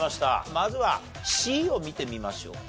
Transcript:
まずはＣを見てみましょうか。